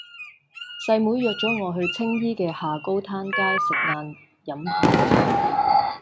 細妹約左我去青衣嘅下高灘街食晏飲下午茶